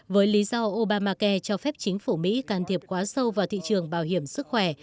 với lý do obamacai cho phép chính phủ mỹ can thiệp quá sâu vào thị trường bảo hiểm sức khỏe